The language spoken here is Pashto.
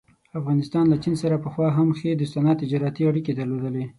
افغانستان له چین سره پخوا هم ښې دوستانه تجارتي اړيکې درلودلې.